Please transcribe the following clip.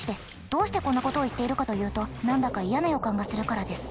どうしてこんなことを言っているかというと何だか嫌な予感がするからです。